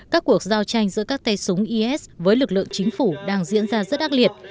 các cuộc giao tranh giữa các tay súng is với lực lượng chính phủ đang diễn ra rất ác liệt